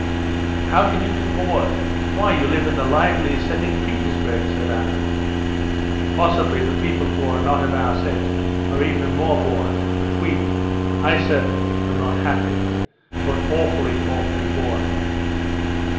"How can you be bored? Why, you live in the liveliest set in Petersburg," said Anna. "Possibly the people who are not of our set are even more bored; but we—I certainly—are not happy, but awfully, awfully bored."